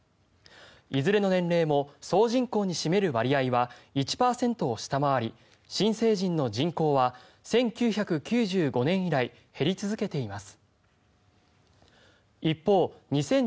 いずれの年齢も総人口に占める割合は１％を下回り、新成人の人口は１９９５年以来減り続けています。